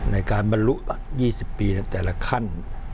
ในการบรรลุ๒๐ปีในแต่ละขั้น